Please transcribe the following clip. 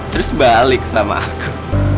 terus balik sama aku